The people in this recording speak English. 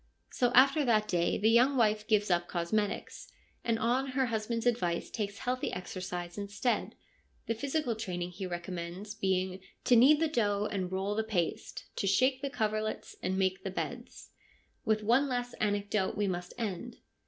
So after that day the young wife gives up cosmetics, and on her husband's advice takes healthy exercise instead ; the physical training he recommends being ' to knead the dough and roll the paste ; to shake the coverlets and make the beds.' With one last anecdote we must end.